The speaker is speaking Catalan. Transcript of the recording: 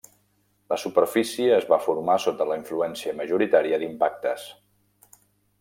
La superfície es va formar sota la influència majoritària d'impactes.